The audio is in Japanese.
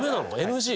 ＮＧ？